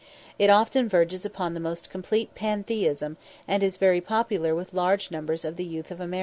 It often verges upon the most complete Pantheism, and is very popular with large numbers of the youth of America.